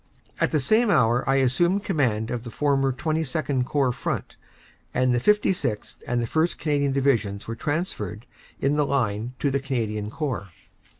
"At the same hour I assumed command of the former XXII Corps front, and the 56th. and the 1st. Canadian Divi sions were transferred in the line to the Canadian Corps.